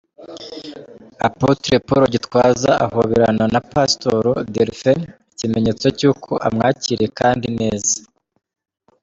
Apotre Paul Gitwaza ahoberana na Pastor Delphin, ikimenyetso cy'uko amwakiriye kandi neza.